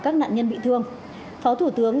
các nạn nhân bị thương phó thủ tướng